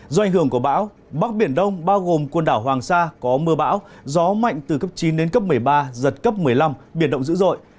do ảnh hưởng của bão bắc biển đông bao gồm quần đảo hoàng sa có mưa bão gió mạnh từ cấp chín đến cấp một mươi ba giật cấp một mươi năm biển động dữ dội